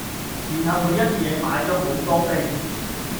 然後佢一野買左好多飛